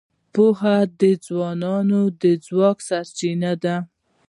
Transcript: پوهه د ځوانانو د ځواک سرچینه ده.